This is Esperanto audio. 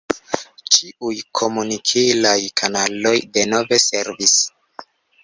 Ĉiuj komunikilaj kanaloj denove servis.